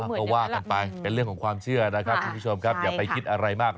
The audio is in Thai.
ก็ว่ากันไปเป็นเรื่องของความเชื่อนะครับคุณผู้ชมครับอย่าไปคิดอะไรมาก